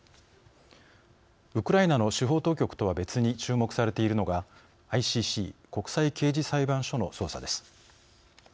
ウクライナの司法当局とは別に注目されているのがＩＣＣ＝国際刑事裁判所の捜査です。